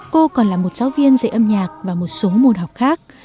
cô còn là một giáo viên dạy âm nhạc và một số môn học khác